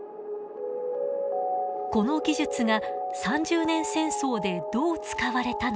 この技術が三十年戦争でどう使われたのか。